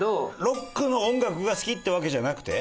「ロックの音楽が好きってわけじゃなくて？」。